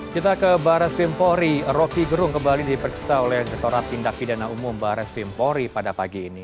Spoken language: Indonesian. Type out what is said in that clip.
kita ke barres vimpori roky gerung kembali diperkisa oleh jenderal pindah pidana umum barres vimpori pada pagi ini